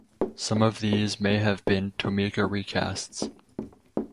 Some of these may have been Tomica recasts.